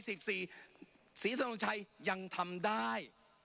สีสะดงชัยยังทำได้